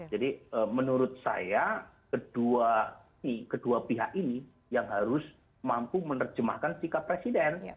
jadi menurut saya kedua pihak ini yang harus mampu menerjemahkan sikap presiden